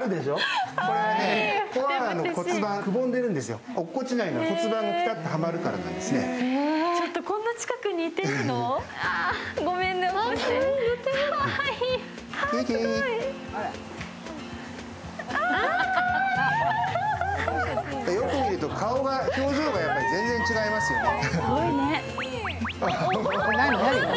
よく見ると顔が、表情が全然違いますよね。